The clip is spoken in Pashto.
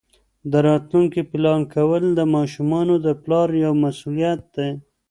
د راتلونکي پلان کول د ماشومانو د پلار یوه مسؤلیت ده.